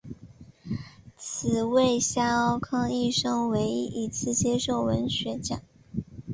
此为萧沆一生唯一一次接受文学奖。